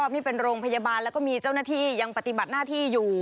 นี่เป็นโรงพยาบาลแล้วก็มีเจ้าหน้าที่ยังปฏิบัติหน้าที่อยู่